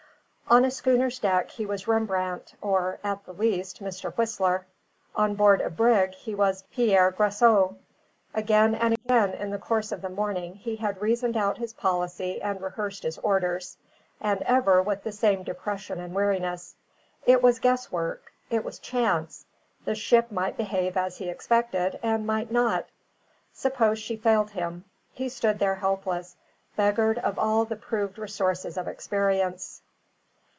On a schooner's deck he was Rembrandt or (at the least) Mr. Whistler; on board a brig he was Pierre Grassou. Again and again in the course of the morning, he had reasoned out his policy and rehearsed his orders; and ever with the same depression and weariness. It was guess work; it was chance; the ship might behave as he expected, and might not; suppose she failed him, he stood there helpless, beggared of all the proved resources of experience.